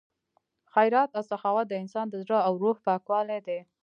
خیرات او سخاوت د انسان د زړه او روح پاکوالی دی.